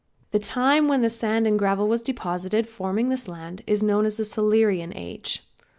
The time when the sand and gravel was deposited forming this land is known as the Silurian age.